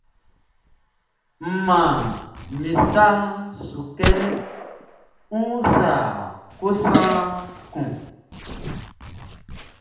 N man min sa su kɛ ń úsa kosan kun.